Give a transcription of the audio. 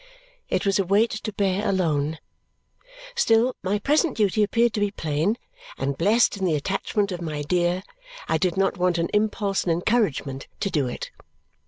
It was a weight to bear alone; still my present duty appeared to be plain, and blest in the attachment of my dear, I did not want an impulse and encouragement to do it.